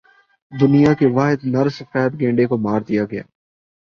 دنیا کے واحد نر سفید گینڈے کو مار دیا گیا